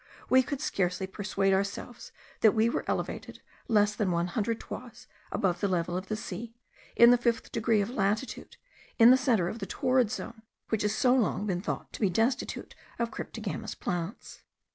We could scarcely persuade ourselves that we were elevated less than one hundred toises above the level of the sea, in the fifth degree of latitude, in the centre of the torrid zone, which has so long been thought to be destitute of cryptogamous plants.